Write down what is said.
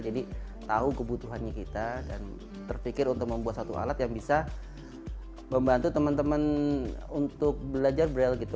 tahu kebutuhannya kita dan terpikir untuk membuat satu alat yang bisa membantu teman teman untuk belajar braille gitu